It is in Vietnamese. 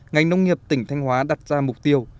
ngành nông nghiệp tỉnh thanh hóa đặt ra mục tiêu